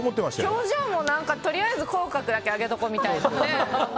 表情もとりあえず口角だけ上げておこうみたいな。